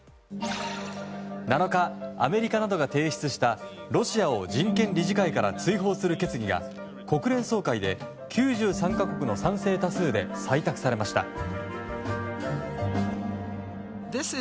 ７日、アメリカなどが提出したロシアを人権理事会から追放する決議が国連総会で９３か国の賛成多数で採択されました。